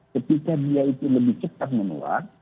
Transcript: ketika dia itu lebih cepat menular